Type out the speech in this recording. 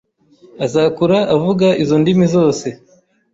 azakura avuga izo ndimi zose